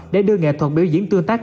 để đưa nghệ thuật biểu diễn tương tác